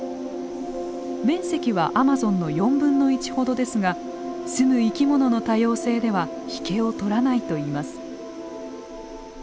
面積はアマゾンの４分の１ほどですが住む生き物の多様性では引けを取らないといいます。